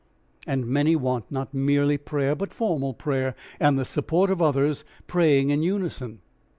And many want not merely prayer but formal prayer and the support of others, praying in unison.